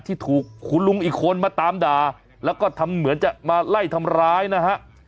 ที่ถูกคุณลุงอีกคนมาตามด่าแล้วก็ทำเหมือนจะมาไล่ทำร้ายนะฮะ